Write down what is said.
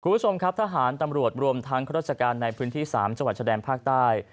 คุณผู้ชมครับทหารตำรวจรวมทั้งข้าราชการในพื้นที่๓จังหวัดชะแดนภาคใต้